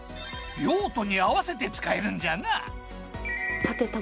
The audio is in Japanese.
用途に合わせて使えるんじゃな。